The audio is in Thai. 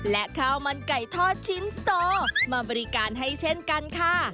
และข้าวมันไก่ทอดชิ้นโตมาบริการให้เช่นกันค่ะ